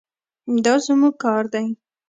دا زموږ کار دی.